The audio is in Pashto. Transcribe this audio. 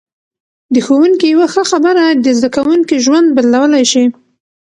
د ښوونکي یوه ښه خبره د زده کوونکي ژوند بدلولای شي.